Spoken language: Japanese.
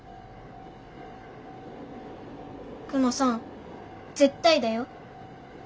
クマさん絶対だよ。